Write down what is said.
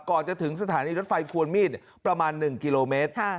ก่อนจะถึงสถานีรถไฟควรมีดประมาณ๑กิโลเมตร